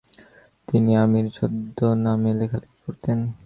তিনি আমির ছদ্মনামে লেখালেখি করতেন।